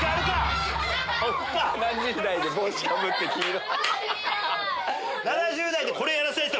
７０代で帽子かぶって黄色。